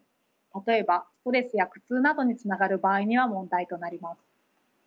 たとえばストレスや苦痛などにつながる場合には問題となります。